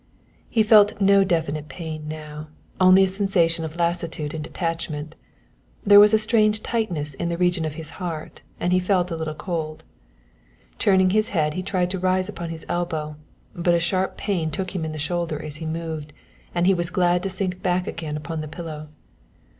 He felt no definite pain now, only a sensation of lassitude and detachment. There was a strange tightness in the region of his heart and he felt a little cold. Turning his head he tried to rise upon his elbow, but a sharp pain took him in the shoulder as he moved, and he was glad to sink back again upon the pillow.